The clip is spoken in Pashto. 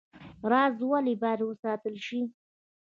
راز ولې باید وساتل شي؟